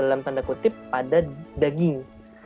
akan berdiam pada daging